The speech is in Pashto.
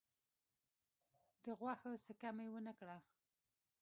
د غوښو څکه مي ونه کړه .